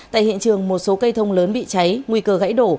tại hiện trường một số cây thông lớn bị cháy nguy cơ gãy đổ